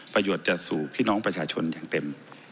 ประโยชน์จะสู่พี่น้องประชาชนอย่างเต็ม